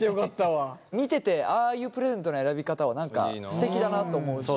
見ててああいうプレゼントの選び方は何かすてきだなと思うし。